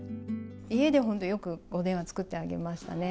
家でほんと、よく、おでんは作ってあげましたね。